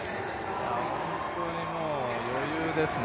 本当に余裕ですね。